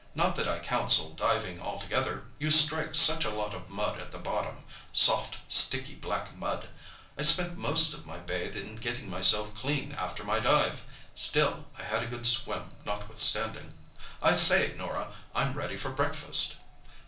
"Not that I counsel diving altogether—you strike such a lot of mud at the bottom—soft, sticky, black mud! I spent most of my bathe in getting myself clean after my dive! Still, I had a good swim, notwithstanding. I say, Norah, I'm ready for breakfast."